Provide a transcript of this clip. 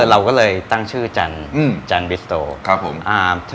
เราก็เลยตั้งชื่อจันบิสโตครับผม